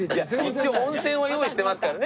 いや一応温泉を用意してますからね。